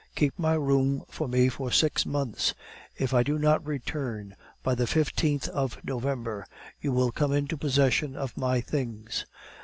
Keep my room for me for six months. If I do not return by the fifteenth of November, you will come into possession of my things.